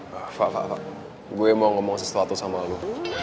pak pak pak gue mau ngomong sesuatu sama lo